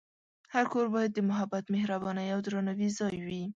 هر کور باید د محبت، مهربانۍ، او درناوي ځای وي.